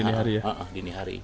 iya dini hari